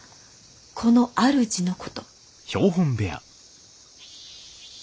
この主のこと。